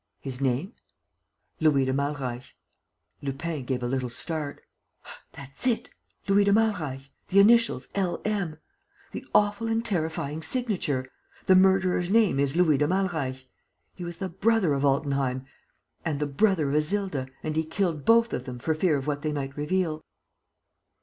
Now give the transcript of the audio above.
"His name?" "Louis de Malreich." Lupin gave a little start: "That's it! Louis de Malreich. ... The initials L. M. ... The awful and terrifying signature! ... The murderer's name is Louis de Malreich. ... He was the brother of Altenheim and the brother of Isilda and he killed both of them for fear of what they might reveal."